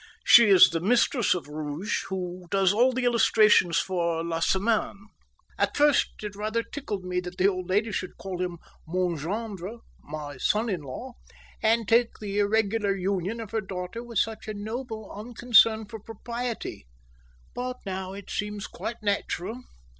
She is the mistress of Rouge, who does all the illustrations for La Semaine. At first it rather tickled me that the old lady should call him mon gendre, my son in law, and take the irregular union of her daughter with such a noble unconcern for propriety; but now it seems quite natural."